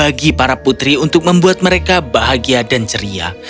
bagi para putri untuk membuat mereka bahagia dan ceria